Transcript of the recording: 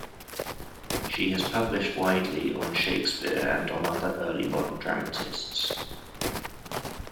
She has published widely on Shakespeare and on other early modern dramatists.